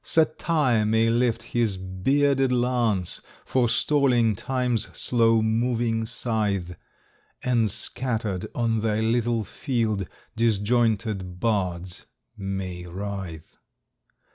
Satire may lift his bearded lance, Forestalling Time's slow moving scythe, And, scattered on thy little field, Disjointed bards may writhe.